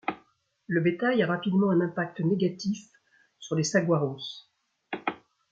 Le bétail a rapidement un impact négatif sur les Saguaros.